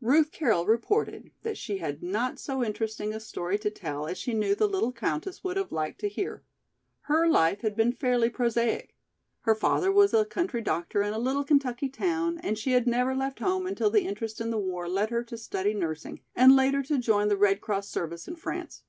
Ruth Carroll reported that she had not so interesting a story to tell as she knew the little countess would have liked to hear. Her life had been fairly prosaic; her father was a country doctor in a little Kentucky town and she had never left home until the interest in the war led her to study nursing and later to join the Red Cross service in France.